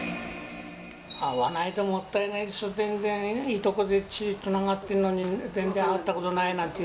会わないともったいないでしょ、全然いとこで血つながってるのに、全然会ったことないなんて。